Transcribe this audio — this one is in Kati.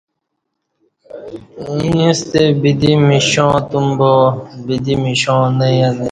یݩستہ بدی مشاں تم کہ بدی مشانہ یینہ